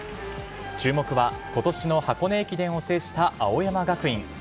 注目はことしの箱根駅伝を制した青山学院。